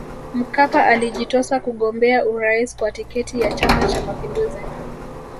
Mkapa alijitosa kugombea urais kwa tiketi ya Chama Cha Mapinduzi